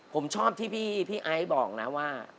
ผมชอบที่พี่ไอซ์บอกนะว่า